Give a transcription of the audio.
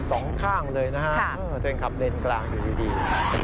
สองข้างเลยนะฮะตัวเองขับเลนกลางอยู่ดี